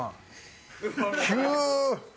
急！